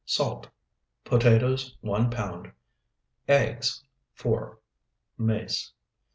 Salt. Potatoes, 1 pound. Eggs, 4. Mace.